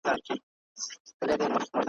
لوړ پر واز به دي وزري کړي در ماتي